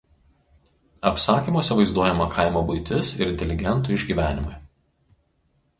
Apsakymuose vaizduojama kaimo buitis ir inteligentų išgyvenimai.